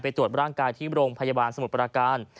ตรวจร่างกายที่โรงพยาบาลสมุทรประการ